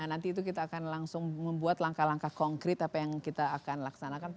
jadi kita akan langsung membuat langkah langkah konkret apa yang kita akan laksanakan